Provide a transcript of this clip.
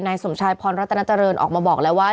นายสมชายพรรณรัฐนาจริงออกมาบอกแล้วว่า